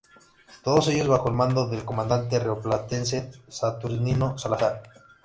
Todos ellos bajo el mando del comandante rioplatense Saturnino Salazar.